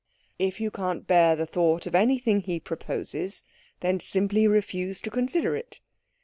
"If you can't bear the thought of anything he proposes, then simply refuse to consider it."